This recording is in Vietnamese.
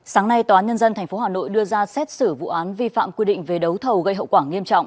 sáng nay tòa án nhân dân tp hà nội đưa ra xét xử vụ án vi phạm quy định về đấu thầu gây hậu quả nghiêm trọng